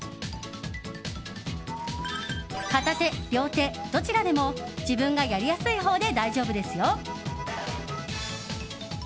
片手、両手、どちらでも自分がやりやすいほうで大丈夫ですよ。